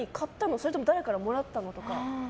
それとも誰かからもらったの？とか。